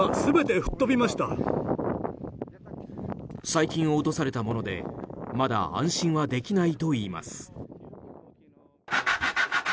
最近、落とされたものでまだ安心はできないといいます。